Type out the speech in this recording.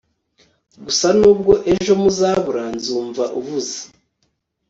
gusa nubwo ejo muzabura nzumva uvuze